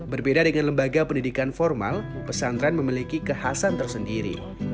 berbeda dengan lembaga pendidikan formal pesantren memiliki kekhasan tersendiri